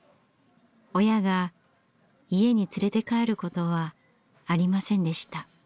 親が家に連れて帰ることはありませんでした。